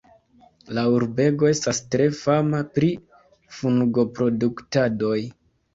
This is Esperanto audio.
La urbego estas tre fama pri fungoproduktadoj.